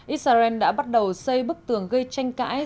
israel đã bắt đầu xây bức tường gây tranh cãi